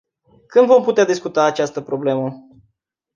Când vom putea discuta această problemă?